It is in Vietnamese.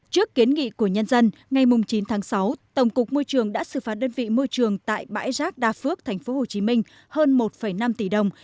trước kiến nghị của nhân dân ngày chín tháng sáu tổng cục môi trường đã xử phạt đơn vị môi trường tại bãi rác đa phước tp hcm hơn một năm tỷ đồng